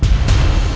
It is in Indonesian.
nggak semua karaoke